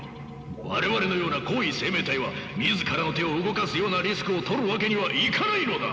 我々のような高位生命体は自らの手を動かすようなリスクをとるわけにはいかないのだ！